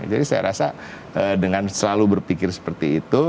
jadi saya rasa dengan selalu berpikir seperti itu